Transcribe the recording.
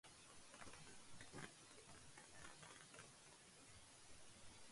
کہتے ہیں کہ وزیراعظم ہاؤس میں کوئی میڈیا سیل تھا۔